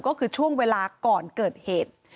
ก็คือช่วงเวลาก่อนเกิดเหตุ